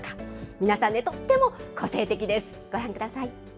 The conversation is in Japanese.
皆さんね、とっても個性的です。